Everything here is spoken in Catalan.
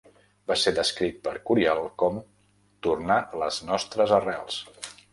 Va ser descrit per Curiel com "tornar les nostres arrels".